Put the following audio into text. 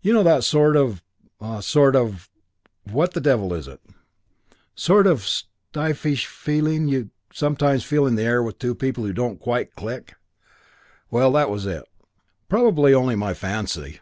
You know that sort of sort of what the devil is it? sort of stiffish feeling you sometimes feel in the air with two people who don't quite click. Well, that was it. Probably only my fancy.